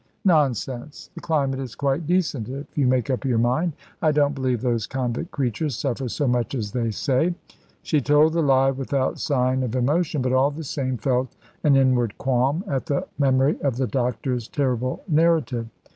"Nonsense. The climate is quite decent if you make up your mind. I don't believe those convict creatures suffer so much as they say." She told the lie without sign of emotion, but all the same felt an inward qualm at the memory of the doctor's terrible narrative.